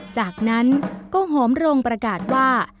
จากนั้นก็หอมโรงประกาศว่า